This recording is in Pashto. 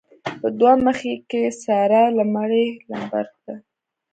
په دوه مخۍ کې ساره لمړی لمبر ده.